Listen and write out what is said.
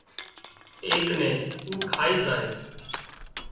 ايڪ نين اُو کائي زائي